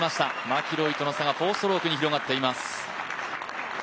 マキロイとの差が４ストロークに広がっています。